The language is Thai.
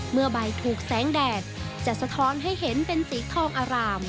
เมื่อใบถูกแสงแดดจะสะท้อนให้เห็นเป็นสีทองอาราม